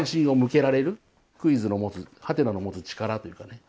クイズの持つハテナの持つ力というかね。